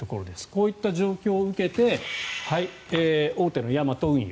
こういった状況を受けて大手のヤマト運輸。